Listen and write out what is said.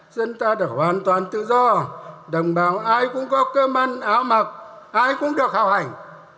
dân ta được hoàn toàn tự do đồng bào ai cũng có cơm ăn áo mặc ai cũng được hào hảnh